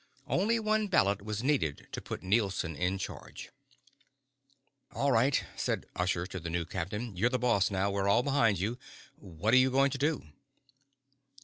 Only one ballot was needed to put Nielson in charge. "All right," said Ushur to the new captain. "You're the boss now. We're all behind you. What are you going to do?"